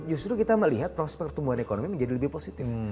justru kita melihat proses pertumbuhan ekonomi menjadi lebih positif